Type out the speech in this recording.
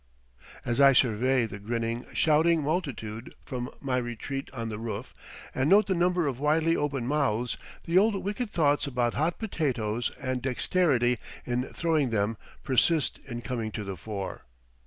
As I survey the grinning, shouting multitude from my retreat on the roof, and note the number of widely opened mouths, the old wicked thoughts about hot potatoes and dexterity in throwing them persist in coming to the fore.